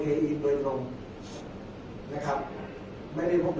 แต่ในเมื่อในเรื่องของ